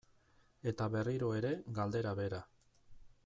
Eta berriro ere galdera bera.